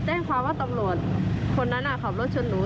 แจ้งความว่าตำรวจคนนั้นขับรถชนหนู